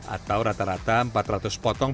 atau rata rata empat ratus potong